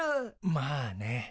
まあね。